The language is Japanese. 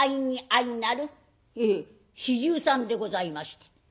「へえ４３でございまして」。